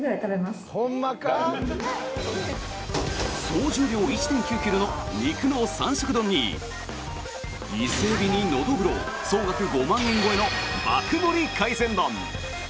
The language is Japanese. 総重量１．９ｋｇの肉の３色丼に伊勢エビにノドグロ総額５万円超えの爆盛り海鮮丼！